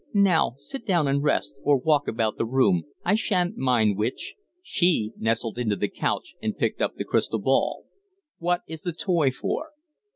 "Now sit down and rest or walk about the room. I sha'n't mind which." She nestled into the couch and picked up the crystal ball. "What is the toy for?"